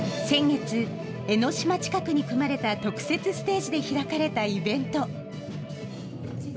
先月、江ノ島近くに組まれた特設ステージで開かれたイベント。